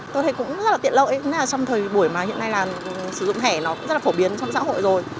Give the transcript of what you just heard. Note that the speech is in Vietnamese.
tôi thấy cũng rất là tiện lợi trong thời buổi mà hiện nay là sử dụng thẻ nó cũng rất là phổ biến trong xã hội rồi